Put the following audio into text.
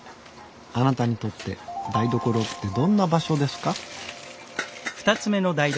あなたにとって台所ってどんな場所ですか？